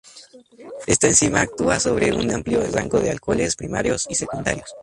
Esta enzima actúa sobre un amplio rango de alcoholes primarios y secundarios.